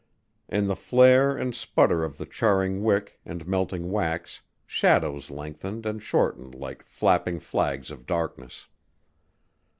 In the flare and sputter of the charring wick and melting wax shadows lengthened and shortened like flapping flags of darkness.